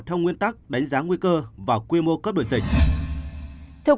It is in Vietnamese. theo nguyên tắc đánh giá nguy cơ và quy mô cấp đổi dịch